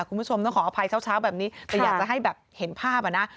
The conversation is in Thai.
คุณผู้ชมต้องขออภัยเช้าแบบนี้แต่อยากจะให้แบบเห็นภาพอ่ะนะ